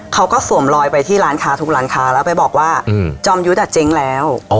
สวมลอยไปที่ร้านค้าทุกร้านค้าแล้วไปบอกว่าจอมยุทธ์เจ๊งแล้ว